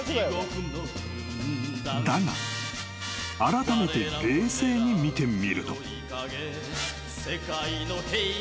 ［だがあらためて冷静に見てみると］